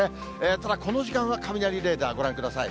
ただこの時間は雷レーダー、ご覧ください。